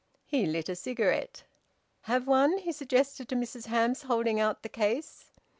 He lit a cigarette. "Have one?" he suggested to Mrs Hamps, holding out the case.